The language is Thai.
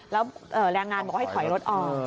แล้วแรงงานบอกว่าให้ถอยรถออก